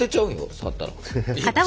触ったら。